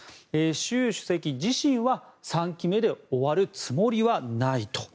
習主席自身は３期目で終わるつもりはないと。